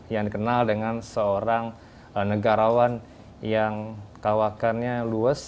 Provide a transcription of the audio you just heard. yang dikenal dengan seorang negarawan yang kawakannya luas